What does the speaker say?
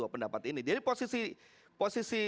dua pendapat ini jadi posisi